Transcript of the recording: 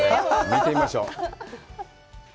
見てみましょう。